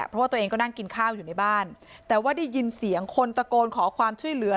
เพราะว่าตัวเองก็นั่งกินข้าวอยู่ในบ้านแต่ว่าได้ยินเสียงคนตะโกนขอความช่วยเหลือ